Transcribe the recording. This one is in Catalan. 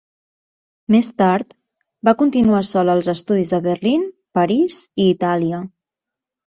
Més tard, va continuar sol els estudis a Berlín, París i Itàlia.